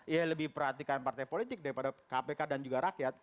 ya lebih perhatikan partai politik daripada kpk dan juga rakyat